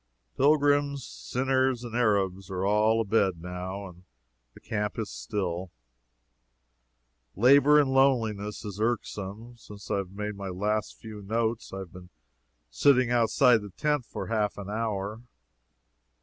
Pilgrims, sinners and Arabs are all abed, now, and the camp is still. Labor in loneliness is irksome. Since I made my last few notes, I have been sitting outside the tent for half an hour.